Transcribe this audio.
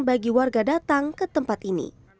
bagi warga datang ke tempat ini